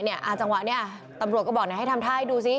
นี่เจ้าตำรวจบอกให้ให้โททำท่าดูซิ